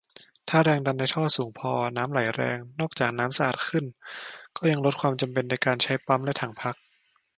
ถ้าแรงดันในท่อสูงพอ น้ำไหลแรง นอกจากน้ำจะสะอาดขึ้น ก็ยังลดความจำเป็นในการใช้ปั๊มและถังพัก